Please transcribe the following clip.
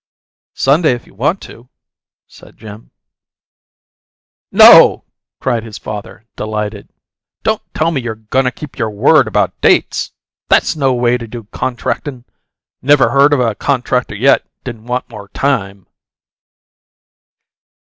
"Sunday, if you want to," said Jim. "No!" cried his father, delighted. "Don't tell me you're goin' to keep your word about dates! That's no way to do contractin'! Never heard of a contractor yet didn't want more time."